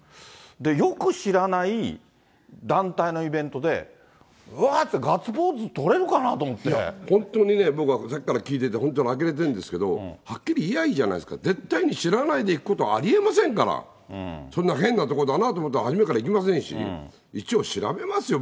よく知らない団体のイベントで、わーって、いや、本当に僕はさっきから聞いてて、あきれてるんですけれども、はっきりいやいいじゃないですか、絶対に知らないで行くことはありえませんから、そんな変なところだなと思ったら初めから行きませんし、一応調べますよ。